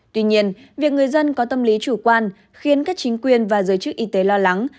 tuy nhiên việc người dân có tâm lý chủ quan khiến các chính quyền và giới chức y tế lo lắng